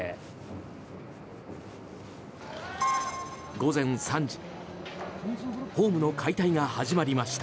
午前３時ホームの解体が始まりました。